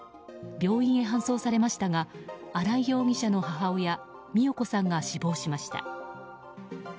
病院へ搬送されましたが新井容疑者の母親美代子さんが死亡しました。